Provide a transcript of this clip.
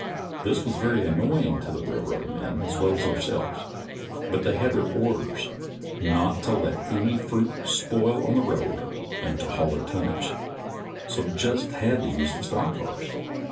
This was very annoying to the railroad men as well as ourselves, but they had their orders to not let any California fruit spoil on the road and to haul their tonnage, so just had to use these stock cars.